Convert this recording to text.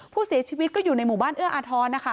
ผู้เสียชีวิตก็อยู่ในหมู่บ้านเอื้ออาทรนะคะ